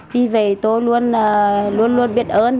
khi về tôi luôn luôn luôn biết ơn